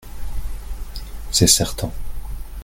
C’est certain.